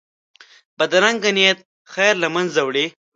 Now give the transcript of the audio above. بدرنګه نیت خیر له منځه وړي